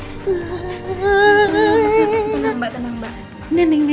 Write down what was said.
tenang mbak tenang mbak